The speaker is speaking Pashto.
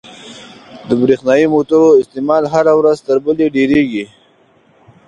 • د برېښنايي موټرو استعمال ورځ تر بلې ډېرېږي.